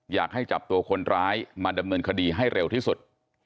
อยากให้จับตัวคนร้ายมาดำเนินคดีให้เร็วที่สุด